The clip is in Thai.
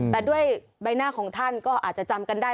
แต่ด้วยใบหน้าของท่านก็อาจจะจำกันได้